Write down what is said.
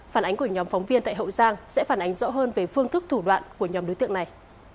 phản ánh của nhóm phóng viên tại hậu giang sẽ phản ánh rõ hơn về phương thức thủ đoạn của nhóm đối tượng này